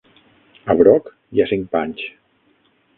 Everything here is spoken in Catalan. A Brock hi ha cinc panys.